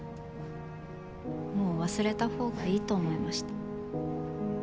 もう忘れた方がいいと思いました。